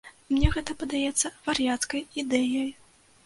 Мне гэта падаецца вар'яцкай ідэяй.